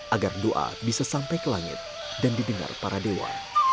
agar doa bisa sampai ke langit dan didengar para dewa